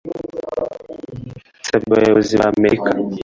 yasabye abayobozi b'amerika